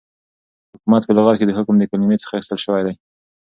حكومت په لغت كې دحكم دكلمې څخه اخيستل سوی